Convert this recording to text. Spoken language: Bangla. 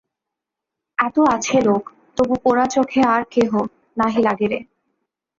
এত আছে লোক, তবু পোড়া চোখে আর কেহ নাহি লাগে রে!